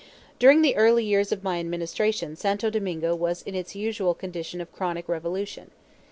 During the early years of my administration Santo Domingo was in its usual condition of chronic revolution.